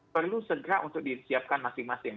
perlu segera untuk disiapkan masing masing